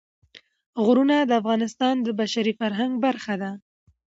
غرونه د افغانستان د بشري فرهنګ برخه ده.